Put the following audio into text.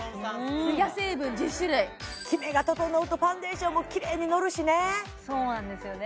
ツヤ成分１０種類キメが整うとファンデーションもきれいにのるしねそうなんですよね